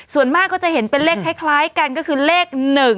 ส่วนมากก็จะเห็นเป็นเลขคล้ายกันก็คือเลข๑๒